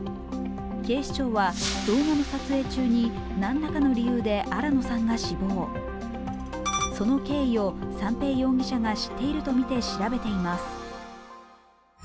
警視庁は動画の撮影中に何らかの理由で新野さんが死亡、その経緯を三瓶容疑者が知っているとみて調べています。